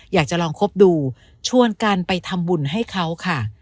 อยากจะลองคบดูชวนกันไปทำบุญให้เขาค่ะ